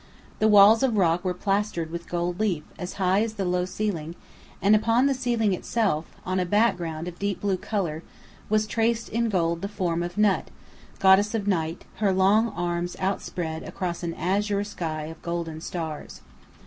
The walls of rock were plastered with gold leaf, as high as the low ceiling: and upon the ceiling itself, on a background of deep blue colour, was traced in gold the form of Nut, goddess of Night, her long arms outspread across an azure sky of golden stars.